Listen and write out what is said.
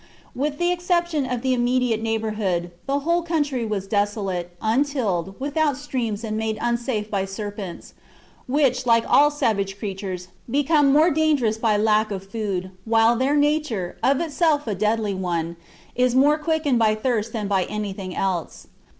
With the exception of the immediate neighbourhood, the whole country was desolate, untilled, without streams, and made unsafe by serpents, which, like all savage creatures, become more dangerous by lack of food, while their nature, of itself a deadly one, is more quickened by thirst than by anything else.